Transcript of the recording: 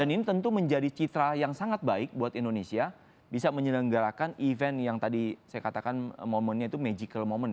dan ini tentu menjadi citra yang sangat baik buat indonesia bisa menyelenggarakan event yang tadi saya katakan momentnya itu magical moment ya